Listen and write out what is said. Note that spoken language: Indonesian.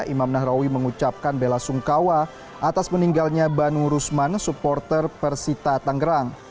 imam nahrawi mengucapkan bela sungkawa atas meninggalnya banu rusman supporter persita tangerang